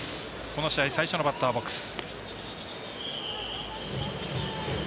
この試合最初のバッターボックス。